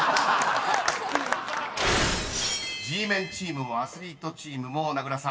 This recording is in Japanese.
［Ｇメンチームもアスリートチームも名倉さん